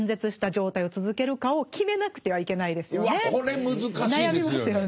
これ難しいですよね。